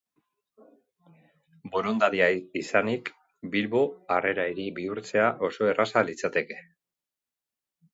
Borondatea izanik, Bilbo Harrera Hiri bihurtzea oso erraza litzateke.